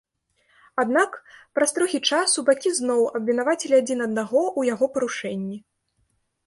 Аднак, праз трохі часу бакі зноў абвінавацілі адзін аднаго ў яго парушэнні.